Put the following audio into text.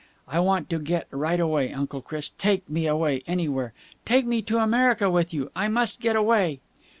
I want to get right away, Uncle Chris! Take me away! Anywhere! Take me to America with you! I must get away!"